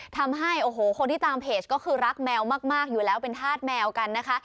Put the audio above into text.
ทำให้โอ้โหคนที่ตามเพจก็คือรักแมวมากอยู่แล้วเป็นธาตุแมวกันนะคะ